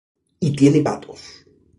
Y tiene patos.